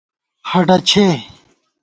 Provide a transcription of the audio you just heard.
ہَڈَہ چھے